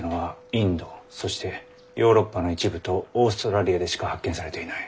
そしてヨーロッパの一部とオーストラリアでしか発見されていない。